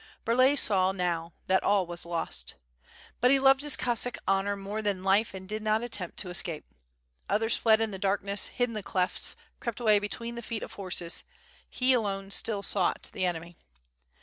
Burlay saw now that all was lost. But he loved his Cossack honor more than life and did not attempt to escape. Others fled in the darkness, hid in clefts, crept away between the feet of horses; he alone still sought the enemy.